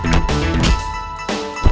terima kasih chandra